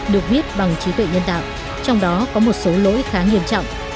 được biết bằng trí tuệ nhân tạo trong đó có một số lỗi khá nghiêm trọng